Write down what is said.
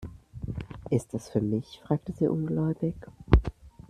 "Ist das für mich?", fragte sie ungläubig.